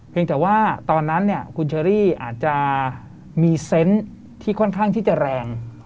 แต่ว่าตอนนั้นคุณเชอรี่อาจจะมีเซนต์ที่ค่อนข้างที่จะแรง